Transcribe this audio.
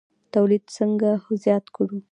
تولید څنګه زیات کړو؟